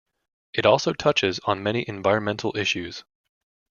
It also touches on many environmental issues.